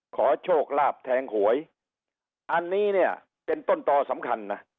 ขอโชคลาภแทงหวยอันนี้เนี่ยเป็นต้นต่อสำคัญนะ